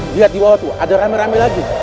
lihat di bawah tuh ada rame rame lagi